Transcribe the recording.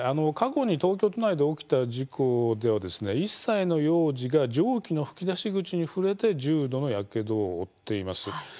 過去に東京都内で起きた事故では、１歳の幼児が蒸気の噴き出し口に触れて重度のやけどを負っています。